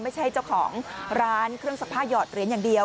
ไม่ใช่เจ้าของร้านเครื่องซักผ้าหยอดเหรียญอย่างเดียว